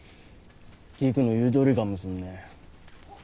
キクの言うとおりかもすんね。